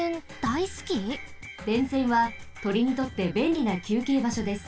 電線はとりにとってべんりなきゅうけいばしょです。